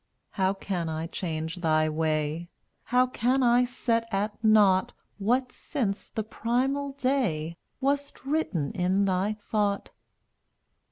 How can I change Thy way? How can I set at nought What since the primal day Wast written in thy thought?